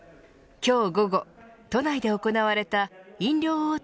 今日午後都内で行われた飲料大手